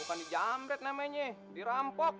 bukan dijamret namanya dirampok